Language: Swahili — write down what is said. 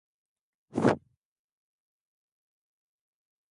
kuvaa mavazi ya kimagharibi mno licha ya kuwa